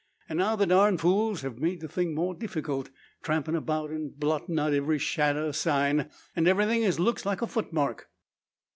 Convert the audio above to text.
And now the darned fools hev' made the thing more diffeequilt, trampin about, an' blottin' out every shadder o' sign, an everything as looks like a futmark.